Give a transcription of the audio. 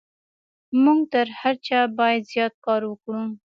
موږ تر هر چا بايد زيات کار وکړو.